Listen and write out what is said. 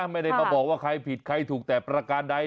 ไม่ได้มาบอกว่าใครผิดใครถูกแต่ประการใด